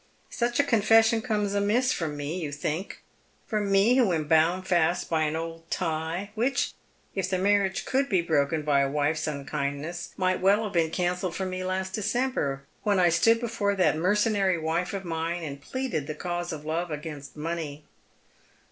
Such a confession comes amiss from me, you think — from me who am bound fast by an old tie — which, if the mamaga could be broken by a wife's unkindness, might well have been cancelled for me last December, when I stood before that mei cenary wife of mine and pleaded the cause of love agains< money.